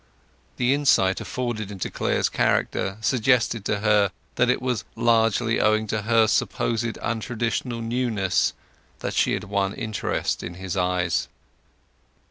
The insight afforded into Clare's character suggested to her that it was largely owing to her supposed untraditional newness that she had won interest in his eyes.